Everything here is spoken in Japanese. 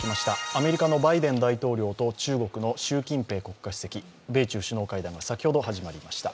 アメリカのバイデン大統領と中国の習近平国家主席、米中首脳会談が先ほど始まりました。